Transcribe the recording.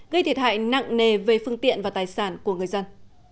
gây thiệt hại nặng nề về phương tiện và tài sản của người dân